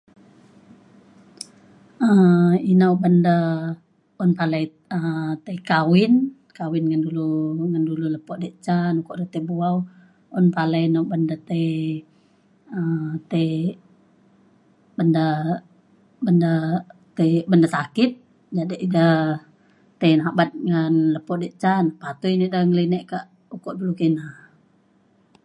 um ina oban de un palai um tai kawin kawin ngan du du le lepo dek ca uku re tai buau un palai ne oban re tai um tai mande mande tai mande dek sakit jadi ida tai naban ngan lepo' dek ca patui ne eda ngelinik kek iku du ki na.